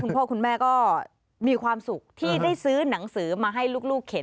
คุณพ่อคุณแม่ก็มีความสุขที่ได้ซื้อหนังสือมาให้ลูกเข็น